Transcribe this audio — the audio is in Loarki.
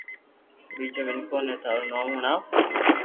ٻيجو مينکو ني ٿارو نوم ھڻاو